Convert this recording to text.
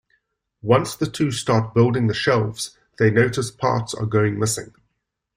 Once the two start building the shelves, they notice parts are going missing.